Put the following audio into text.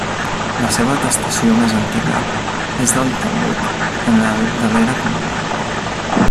La seva atestació més antiga és del Talmud, en el de l'era comuna.